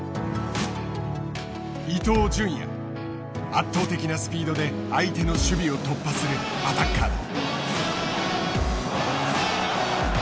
圧倒的なスピードで相手の守備を突破するアタッカーだ。